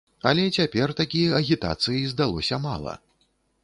Але цяпер такі агітацыі здалося мала.